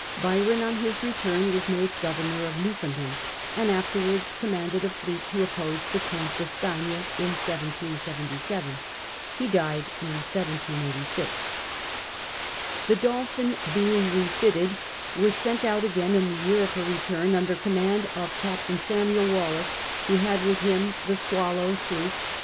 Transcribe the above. Byron on his return was made (lovernor of New foundland, and afterwards commanded a fleet to oppose the Comte d'Estaign in 1777. Ho died in 1786. The Dolphin, being refitted, was sent out again in the year of her return, under command of Captain Samuel Wallis, who had with him the Swallow sloop.